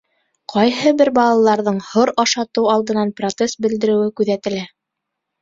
Ҡайһы бер балаларҙың һор ашатыу алдынан протест белдереүе күҙәтелә.